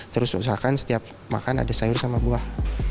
terus usahakan setiap makan ada sayur sama buah